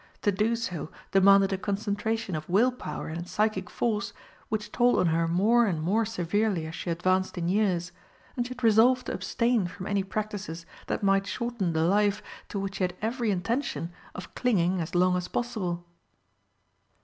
To do so demanded a concentration of will power and psychic force which told on her more and more severely as she advanced in years, and she had resolved to abstain from any practices that might shorten the life to which she had every intention of clinging as long as possible.